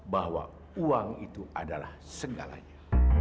bahwa uang itu adalah segalanya